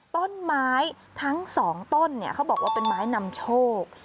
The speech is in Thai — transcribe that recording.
ต้นไม้ทั้งสองต้นเนี่ยเขาบอกว่าเป็นไม้นำโชค